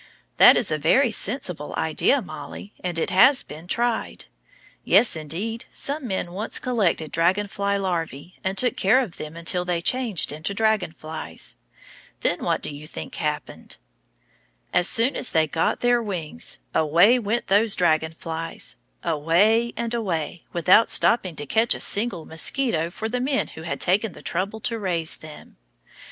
That is a very sensible idea, Mollie, and it has been tried. Yes, indeed; some men once collected dragon fly larvæ, and took care of them until they changed into dragon flies. Then what do you think happened? As soon as they got their wings, away went those dragon flies, away and away, without stopping to catch a single mosquito for the men who had taken the trouble to raise them.